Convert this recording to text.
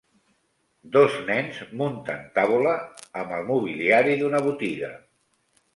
Dos nens munten tabola amb el mobiliari d'una botiga.